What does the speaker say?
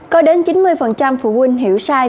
có đến chín mươi phụ huynh hiểu sai